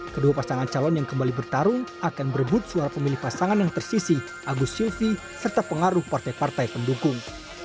kedua pasangan calon yang kembali bertarung akan berebut suara pemilih pasangan yang tersisi agus silvi serta pengaruh partai partai pendukung